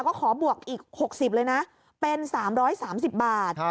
ก็ขอบวกอีก๖๐เลยนะเป็น๓๓๐บาท